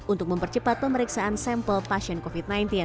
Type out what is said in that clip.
untuk mempercepat pemeriksaan sampel pasien covid sembilan belas